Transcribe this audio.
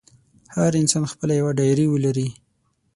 هر انسان خپله یوه ډایري ولري.